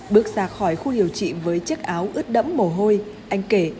bước ra khỏi khu điều trị với chiếc áo ướt đẫm mồ hôi anh kể